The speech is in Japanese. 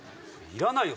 いらないよ